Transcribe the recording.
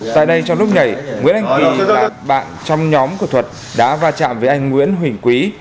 tại đây trong lúc nhảy nguyễn anh huy các bạn trong nhóm của thuật đã va chạm với anh nguyễn huỳnh quý